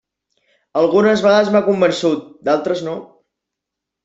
Algunes vegades m'ha convençut, d'altres no.